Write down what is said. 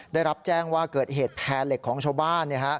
ได้รับแจ้งว่าเกิดเหตุแพร่เหล็กของชาวบ้าน